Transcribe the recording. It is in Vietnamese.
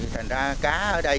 thành ra cá ở đây